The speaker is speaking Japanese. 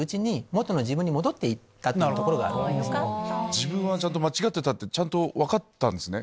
自分は間違ってたってちゃんと分かったんですね。